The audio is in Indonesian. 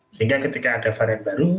sehingga ketika ada varian baru